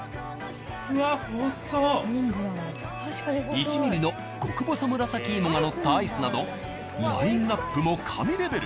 １ミリの極細紫芋がのったアイスなどラインアップも神レベル。